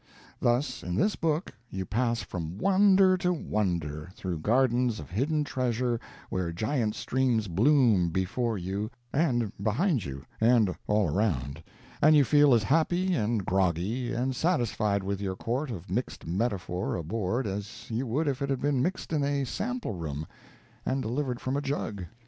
Thus, in this book, you pass from wonder to wonder, through gardens of hidden treasure, where giant streams bloom before you, and behind you, and all around, and you feel as happy, and groggy, and satisfied with your quart of mixed metaphor aboard as you would if it had been mixed in a sample room and delivered from a jug.